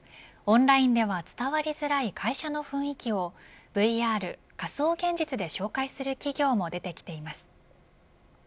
オンラインでは伝わりづらい会社の雰囲気をＶＲ仮想現実で紹介する企業も出てきています。